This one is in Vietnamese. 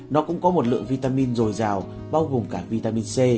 nó cũng có một lượng vitamin dồi dào bao gồm cả vitamin c